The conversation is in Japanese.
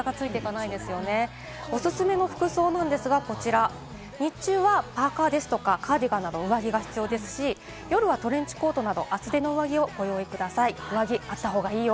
おすすめの服装ですが、日中はパーカやカーディガンなど、上着が必要ですし、夜はトレンチコートなど厚手の上着をご用意ください。